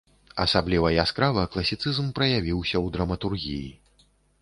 Асабліва яскрава класіцызм праявіўся ў драматургіі.